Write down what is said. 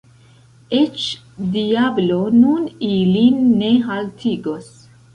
Eĉ diablo nun ilin ne haltigos.